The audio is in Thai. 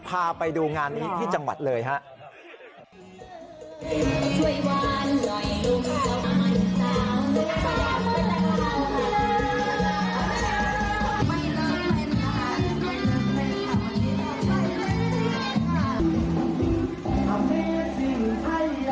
พาไปดูงานนี้ที่จังหวัดเลยครับ